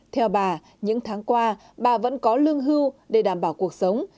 theo bà những tháng qua bà vẫn có lương hưu để đảm bảo cuộc sống